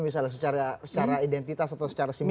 misalnya secara identitas atau secara simbol